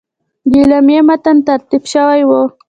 د اعلامیې متن ترتیب شوی وو.